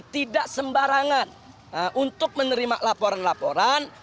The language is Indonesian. tidak sembarangan untuk menerima laporan laporan